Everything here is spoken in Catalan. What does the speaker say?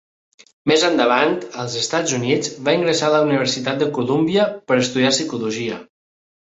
Més endavant, als Estats Units, va ingressar a la Universitat de Colúmbia per estudiar psicologia.